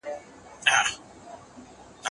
ميراث کې د ښځې حق مه خورئ.